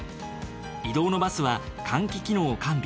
移動のバスは換気機能を完備。